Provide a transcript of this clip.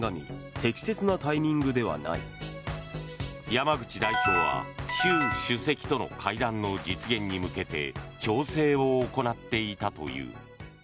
山口代表は習主席との会談の実現に向けて調整を行っていたという。